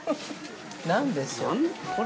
◆何でしょう？